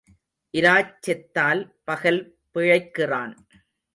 இராச் செத்தால் பகல் பிழைக்கிறான்.